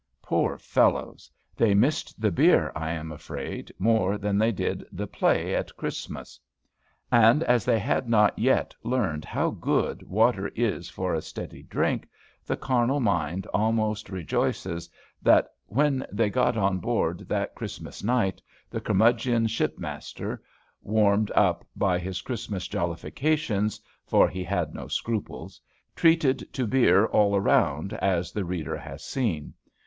Poor fellows! they missed the beer, I am afraid, more than they did the play at Christmas; and as they had not yet learned how good water is for a steady drink, the carnal mind almost rejoices that when they got on board that Christmas night, the curmudgeon ship master, warmed up by his Christmas jollifications, for he had no scruples, treated to beer all round, as the reader has seen.